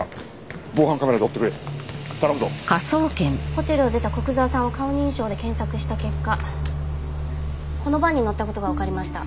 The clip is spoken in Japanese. ホテルを出た古久沢さんを顔認証で検索した結果このバンに乗った事がわかりました。